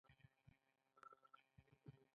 دا د شایسته او لایقو کادرونو جذب دی.